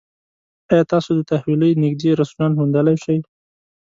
ایا تاسو د تحویلۍ نږدې رستورانت موندلی شئ؟